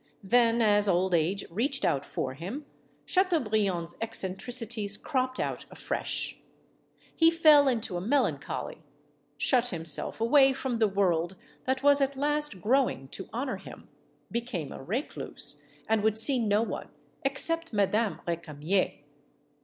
Then, as old age reached out for him, Chateaubriand's eccentricities cropped out afresh. He fell into a melancholy, shut himself away from the world that was at last growing to honor him, became a recluse, and would see no one except Ma dame Recamier.